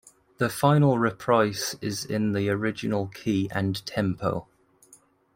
The final reprise is in the original key and tempo.